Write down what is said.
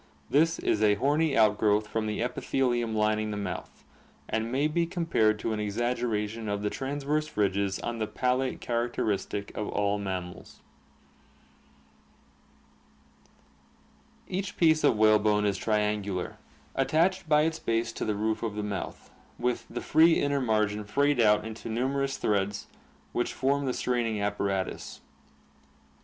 This is a horny outgrowth from the epithelium lining the mouth and may be compared to an exag geration of the transverse ridges on the palate characteristic of all mammals. Each piece of whalebone is triangular, attached by its base to the roof of the mouth, with the free inner margin frayed 334 ORGANIC EVOLUTION V 1 I JS s 3 a * a 3 a ■a §? 3 a "3 L out into numerous threads which form the straining apparatus.